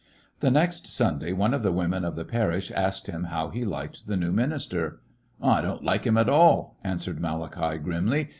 The next Sunday one of the women of the parish asked him how he liked the new min ister. "I don't like him at all," answered Malachi, grimly.